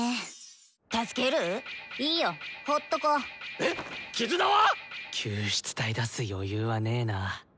えっ⁉絆は⁉救出隊出す余裕はねぇな。